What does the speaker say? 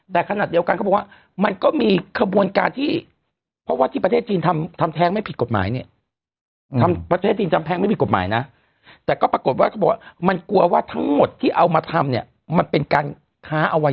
ใต้นี้ก็คือว่าเด็กที่เกิดมาใหม่มันเป็นอะไรที่แข็งแรงที่สุด